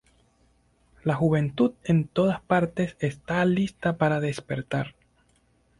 La juventud en todas partes está lista para despertar.